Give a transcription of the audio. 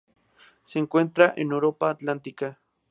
Se encuentra en Europa Atlántica.